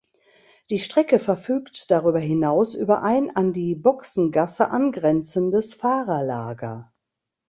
Die Strecke verfügt darüber hinaus über ein an die Boxengasse angrenzendes Fahrerlager.